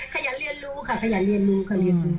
ขยันเรียนรู้ค่ะขยันเรียนรู้ค่ะเรียนรู้